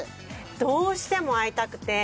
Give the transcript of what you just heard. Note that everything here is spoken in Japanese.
どうしても会いたくて。